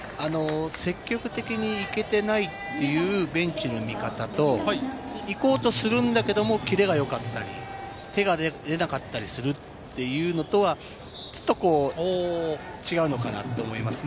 積極的にいけてないというベンチの見方と、行こうとするんだけれどもキレが良かったり、手が出なかったりするというのとはちょっと違うのかなと思いますね。